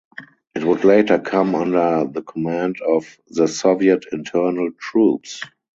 It would later come under the command of the Soviet Internal Troops.